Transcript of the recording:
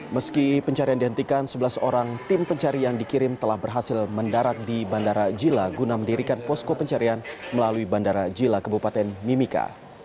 meski pencarian dihentikan sebelas orang tim pencari yang dikirim telah berhasil mendarat di bandara jila guna mendirikan posko pencarian melalui bandara jila kebupaten mimika